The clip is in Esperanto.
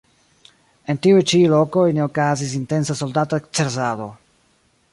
En tiuj ĉi lokoj ne okazis intensa soldata ekzercado.